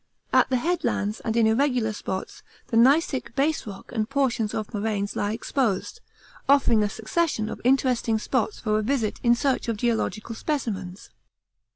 At the headlands and in irregular spots the gneissic base rock and portions of moraines lie exposed, offering a succession of interesting spots for a visit in search of geological specimens.